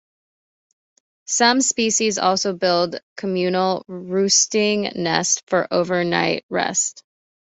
Some species also build communal roosting nests for overnight rest.